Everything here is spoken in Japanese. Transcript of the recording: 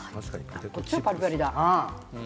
こっちはパリパリだ。